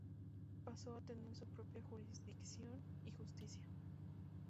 Pasó a tener su propia jurisdicción y justicia.